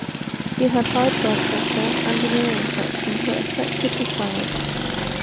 He had high blood pressure and an ear infection that affected his balance.